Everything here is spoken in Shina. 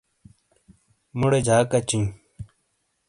مُوڑے جاک اچیئں۔